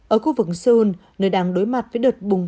ở khu vực seoul nơi đang đối mặt với đợt bùng